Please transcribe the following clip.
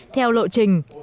theo lộ trình